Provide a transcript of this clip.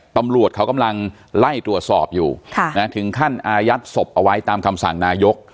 ตำรวจเขากำลังไล่ตรวจสอบอยู่ถึงขั้นอายัดศพเอาไว้ตามคำสั่งนายก